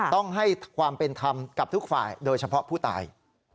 ต้องให้ความเป็นธรรมกับทุกฝ่ายโดยเฉพาะผู้ตาย